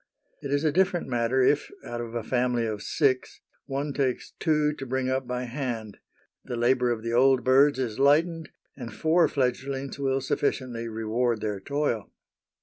It is a different matter if, out of a family of six, one takes two to bring up by hand the labour of the old birds is lightened, and four fledglings will sufficiently reward their toil.